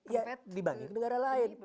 ya dibanding negara lain